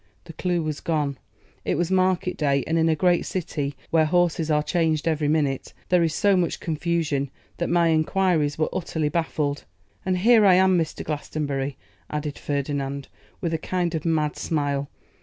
The clue was gone; it was market day, and in a great city, where horses are changed every minute, there is so much confusion that my enquiries were utterly baffled. And here I am, Mr. Glastonbury,' added Ferdinand, with a kind of mad smile.